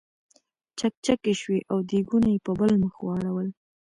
چکچکې شوې او دیګونه یې په بل مخ واړول.